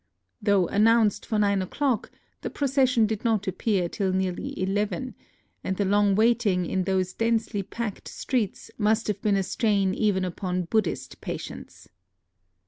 Though announced for nine o'clock, the procession did not appear till nearly eleven; and the long waiting in those densely packed NOTES OF A TRIP TO KYOTO 67 streets must have been a strain even upon Buddhist patience.